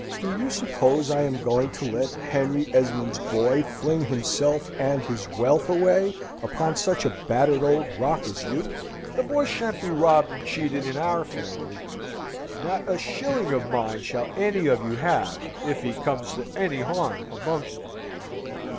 Do you suppose I am going to let Henry Esmond's boy fling himself and his wealth away upon such a battered old rock as you? The boy shan't be robbed and cheated in our family. Not a shilling of mine shall any of you have if he comes to any harm amongst you.